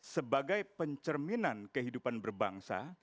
sebagai pencerminan kehidupan berbangsa